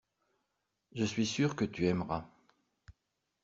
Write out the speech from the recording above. Je suis sûr que tu aimeras.